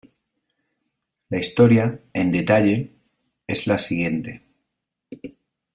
La historia, en detalle, es la siguiente.